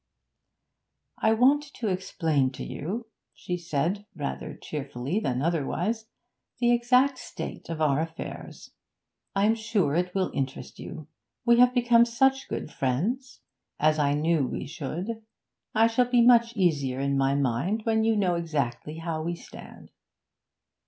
'I want to explain to you,' she said, rather cheerfully than otherwise, 'the exact state of our affairs. I'm sure it will interest you. We have become such good friends as I knew we should. I shall be much easier in mind when you know exactly how we stand.'